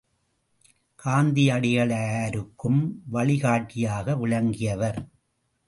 காந்தியடிகளாருக்கும் வழிகாட்டியாக விளங்கியவர்.